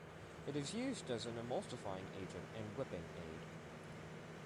It is used as an emulsifying agent and whipping aid.